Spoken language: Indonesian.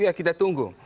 ya kita tunggu